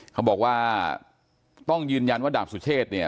เขาบอกว่าต้องยืนยันว่าดาบสุเชษเนี่ย